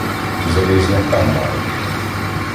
Залізняка має.